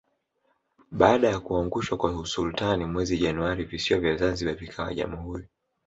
Baada ya kuangushwa kwa usultani mwezi Januari visiwa vya zanzibar vikawa Jamhuri